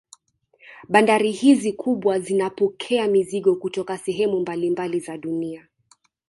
Bandari hizi kubwa zinapokea mizigo kutoka sehemu mbalimbali za dunia